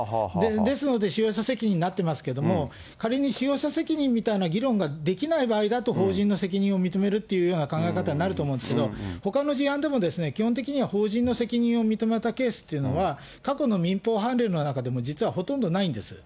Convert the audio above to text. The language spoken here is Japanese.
ですので使用者責任になってますけど、仮に使用者責任みたいな議論ができない場合だと法人の責任を認めるというような考え方になると思うんですけど、ほかの事案でも、基本的には法人の責任を認めたケースというのは過去の民法判例の中でも実はほとんどないんです。